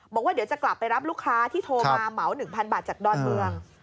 บอกว่าเดี๋ยวจะกลับไปรับลูกค้าที่โทรมาเหมา๑๐๐บาทจากดอนเมือง